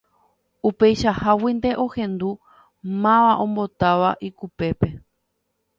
Upeichaháguinte ohendu máva ombotáva ikupépe.